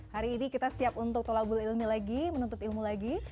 hari ini kita siap untuk tolabul ilmi lagi menuntut ilmu lagi